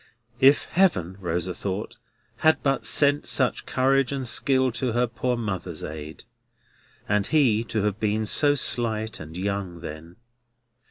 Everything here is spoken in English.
If Heaven, Rosa thought, had but sent such courage and skill to her poor mother's aid! And he to have been so slight and young then!